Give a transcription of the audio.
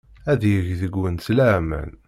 Ad yeg deg-went laman.